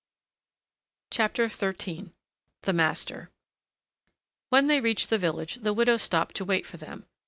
XIII THE MASTER When they reached the village, the widow stopped to wait for them.